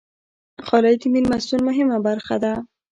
غالۍ د میلمستون مهمه برخه ده.